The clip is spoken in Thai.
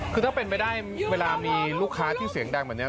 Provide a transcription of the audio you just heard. คือถ้าเป็นไปได้เวลามีลูกค้าที่เสียงดังแบบนี้